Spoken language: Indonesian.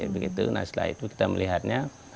begitu nah setelah itu kita melihatnya